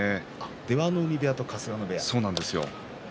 出羽海部屋と春日野部屋ですね。